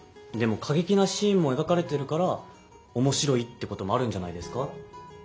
でもかげきなシーンもえがかれてるからおもしろいってこともあるんじゃないですか？